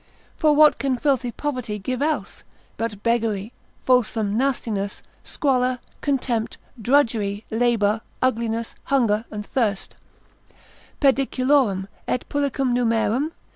For what can filthy poverty give else, but beggary, fulsome nastiness, squalor, contempt, drudgery, labour, ugliness, hunger and thirst; pediculorum, et pulicum numerum?